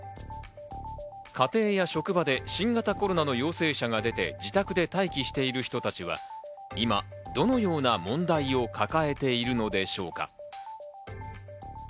家庭や職場で新型コロナの陽性者が出て、自宅で待機している人たちは、今、どのような問題を抱えているのでしょうか。